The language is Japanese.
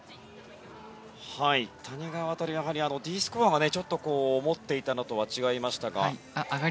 谷川航、Ｄスコアがちょっと持っていたのとは違いましたが。